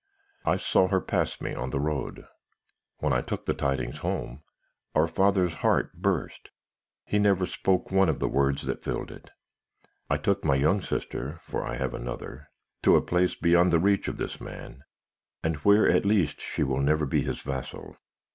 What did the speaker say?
I saw her pass me on the road. When I took the tidings home, our father's heart burst; he never spoke one of the words that filled it. I took my young sister (for I have another) to a place beyond the reach of this man, and where, at least, she will never be his vassal.